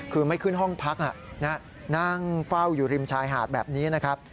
คือไม่ขึ้นห้องพักนั่งเฝ้าอยู่ริมชายหาดแบบนี้นะครับ